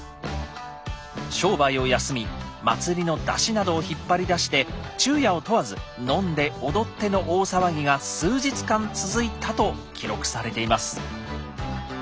商売を休み祭りの山車などを引っ張り出して昼夜を問わず飲んで踊っての大騒ぎが数日間続いたと記録されています。